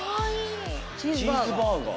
チーズバーガー。